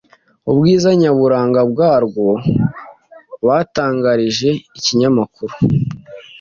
ubwiza nyaburanga bwarwo, batangarije ikinyamkuru